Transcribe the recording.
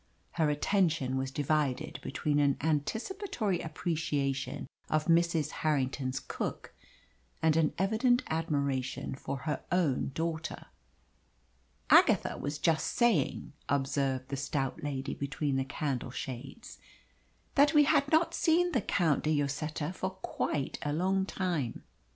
Her attention was divided between an anticipatory appreciation of Mrs. Harrington's cook and an evident admiration for her own daughter. "Agatha was just saying," observed the stout lady between the candle shades, "that we had not seen the Count de Lloseta for quite a long time.